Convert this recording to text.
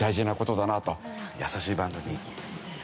易しい番組。